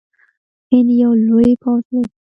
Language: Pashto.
هند یو لوی پوځ لري.